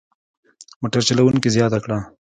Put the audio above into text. موټر چلوونکي زیاته کړه.